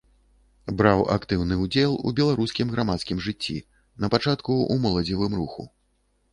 Браў актыўны ўдзел у беларускім грамадскім жыцці, напачатку ў моладзевым руху.